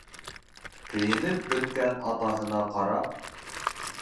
Кейенеп бөткән атаһына ҡарап: